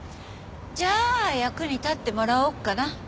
じゃあ役に立ってもらおうかな。